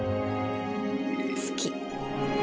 好き。